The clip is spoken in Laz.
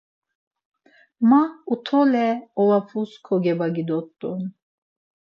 Ma utole ovapus kogevagi dort̆u.